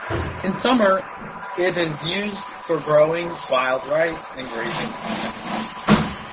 In summer it is used for growing wild rice and grazing cattle.